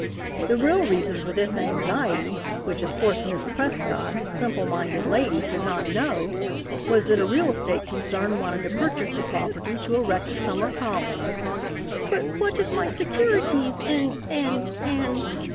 The real reason for this anxiety, which of course Miss Prescott, simple minded lady, could not know, was, that a real estate concern wanted to purchase the property to erect a summer colony. "But what of my securities in and and